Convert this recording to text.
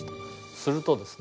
するとですね